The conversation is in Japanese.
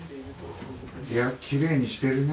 部屋きれいにしてるね。